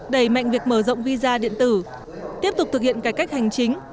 đẩy mạnh việc mở rộng visa điện tử tiếp tục thực hiện cải cách hành chính